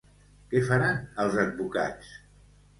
Què faran els advocats?